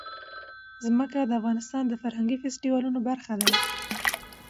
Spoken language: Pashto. ځمکه د افغانستان د فرهنګي فستیوالونو برخه ده.